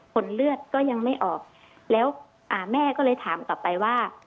ผลเลือดก็ยังไม่ออกแล้วอ่าแม่ก็เลยถามกลับไปว่า